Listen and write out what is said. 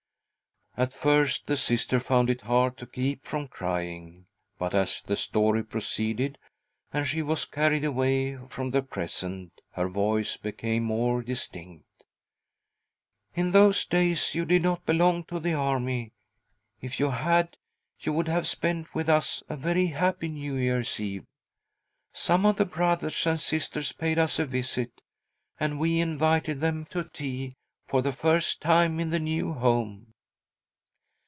At first the Sister found it hard to keep from crying, but, as the story proceeded, and she was carried away from the present, her voice became more distinct. " In those days you did not belong to the Army— if you. had, you would have spent with us a very happy New Year's Eve. Some of the Brothers and Sisters paid us a visit, and we invited them to tea for the first time in the new home.